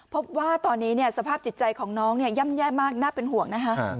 พบว่าตอนนี้สภาพจิตใจของน้องย่ำแย่มากน่าเป็นห่วงนะคะ